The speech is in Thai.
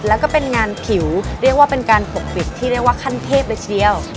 แล้วก็เป็นงานผิวเรียกว่าเป็นการปกปิดที่เรียกว่าขั้นเทพเลยทีเดียว